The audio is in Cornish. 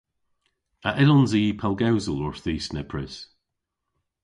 A yllons i pellgewsel orthis nepprys?